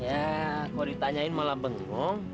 ya kalau ditanyain malah bengong